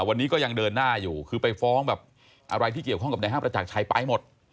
วันนี้ก็ยังเดินหน้าอยู่คือไปฟ้องแบบอะไรที่เกี่ยวข้องกับนายห้างประจักรชัยไปหมด